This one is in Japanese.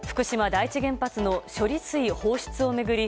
第一原発の処理水放出を巡り